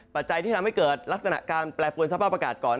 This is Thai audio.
ปัจจัยที่ทำให้เกิดลักษณะการแปรปวนสภาพอากาศก่อน